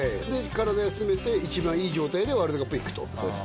体休めて一番いい状態でワールドカップへ行くと。